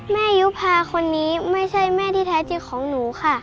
ยุภาคนนี้ไม่ใช่แม่ที่แท้จริงของหนูค่ะ